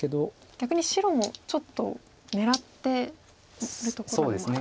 逆に白もちょっと狙ってるところもありますか。